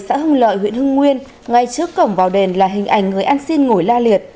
xã hưng lợi huyện hưng nguyên ngay trước cổng vào đền là hình ảnh người ăn xin ngồi la liệt